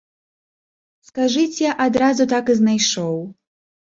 Скажыце, адразу так і знайшоў.